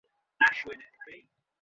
আমি তার কোন চিহ্ন দেখতে পাচ্ছি না।